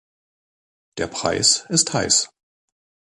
Der Preis ist heiß.